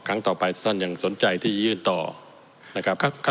ครั้งต่อไปท่านยังสนใจที่ยื่นต่อนะครับ